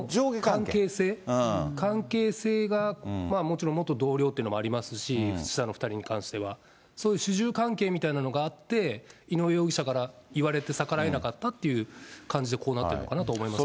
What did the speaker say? その関係性、関係性がもちろん元同僚というのもありますし、下の２人に関しては、そういう主従関係みたいなのがあって、井上容疑者から言われて、逆らえなかったという感じでこうなってるのかなと思いますね。